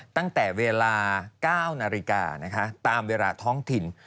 ตั้งแต่เวลา๙นาฬิกานะคะตามเวลาท้องถิ่น